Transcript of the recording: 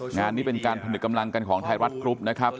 งานนี้เป็นการผนึกกำลังกันของไทยรัฐกรุ๊ปนะครับ